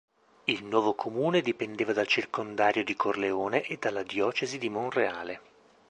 Il nuovo Comune dipendeva dal circondario di Corleone e dalla diocesi di Monreale.